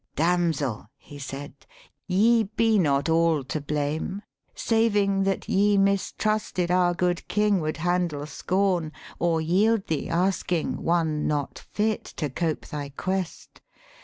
'Damsel,' he said, 'ye be not all to blame, Saving that ye mistrusted our good King Would handle scorn, or yield thee, asking, one Not fit to cope thy quest